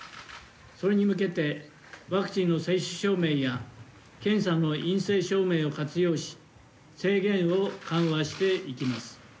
それに向けて、ワクチンの接種証明や、検査の陰性証明を活用し、制限を緩和していきます。